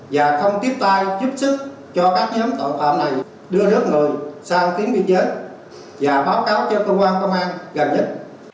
và không tiếp tay giúp sức cho các nhóm tội phạm này đưa đứa người sang tiếng biên giới và báo cáo cho công an gần nhất